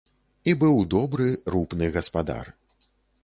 І быў добры, рупны гаспадар.